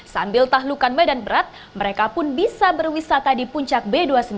sambil tahlukan medan berat mereka pun bisa berwisata di puncak b dua puluh sembilan